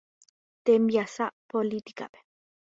Tembiasa políticape.